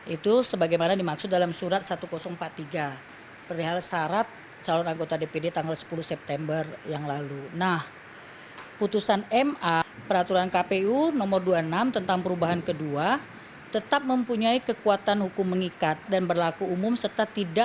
itu sebagaimana dimaksud dalam surat sepuluh partai